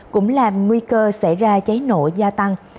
cũng làm nguy cơ xảy ra cháy nổ gia tăng